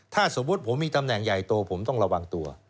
ถ้าสมมุติผมมีตำแหน่งใหญ่โตผมต้องระวังตัว